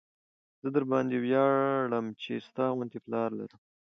زه درباندې وياړم چې ستا غوندې پلار لرم.